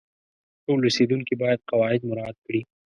ټول اوسیدونکي باید قواعد مراعات کړي.